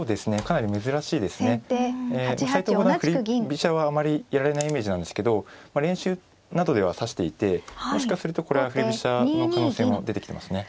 飛車はあまりやられないイメージなんですけど練習などでは指していてもしかするとこれは振り飛車の可能性も出てきてますね。